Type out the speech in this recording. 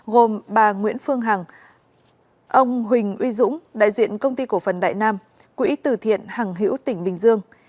gồm bà nguyễn phương hằng ông huỳnh uy dũng đại diện công ty cổ phần đại nam quỹ tử thiện hằng hiễu tỉnh bình dương